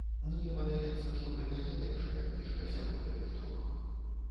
Мне падаецца, што гэта не лепшая кніжка сярод гэтых трох.